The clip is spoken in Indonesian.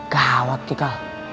gawat nih kal